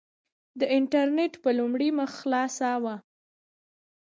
د انټرنېټ په لومړۍ مخ خلاصه وه.